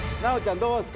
どうですか？